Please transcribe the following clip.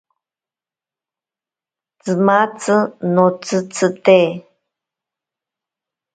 Tsimatzi notsitsite.